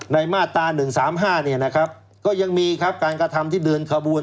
มาตรา๑๓๕เนี่ยนะครับก็ยังมีครับการกระทำที่เดินขบวน